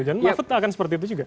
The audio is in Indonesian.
jangan mafud akan seperti itu juga